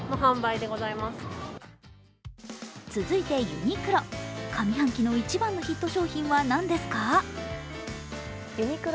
続いてユニクロ、上半期の一番のヒット商品は何ですか？